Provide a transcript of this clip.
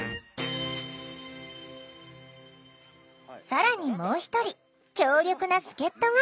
更にもう一人強力な助っとが！